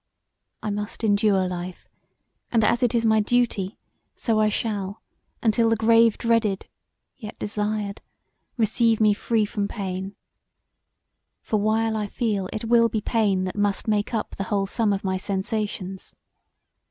I must endure life; and as it is my duty so I shall untill the grave dreaded yet desired, receive me free from pain: for while I feel it will be pain that must make up the whole sum of my sensations.